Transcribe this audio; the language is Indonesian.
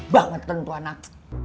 bang betul tuanak